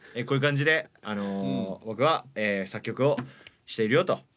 こういう感じで僕は作曲をしているよと。